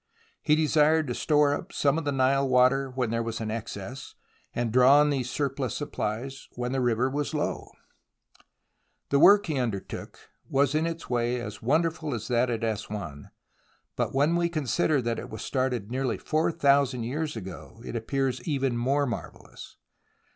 He desired to store up some of the Nile water when there was an excess, and draw on these surplus supplies when the river was low. The work he undertook was in its way as wonderful as that at Assouan, but when we consider that it was started nearly four thousand years ago it appears even more marvellous.